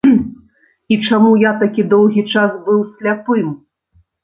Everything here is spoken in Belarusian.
І чаму я такі доўгі час быў сляпым?